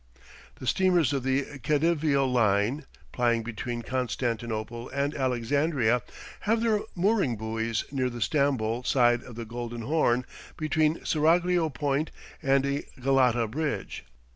The steamers of the Khedivial Line, plying between Constaninople and Alexandria, have their mooring buoys near the Stamboul side of the Golden Horn, between Seraglio Point and the Galata bridge.